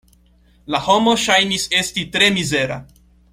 La homo ŝajnis esti tre mizera.